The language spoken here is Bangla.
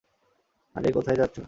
আরে কোথায় যাচ্ছ?